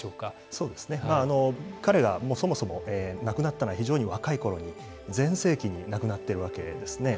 そうですね、彼がそもそも亡くなったのは非常に若いころに、全盛期に亡くなっているわけですね。